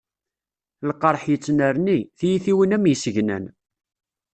Lqerḥ yettnerni, tiyitiwin am yisegnan.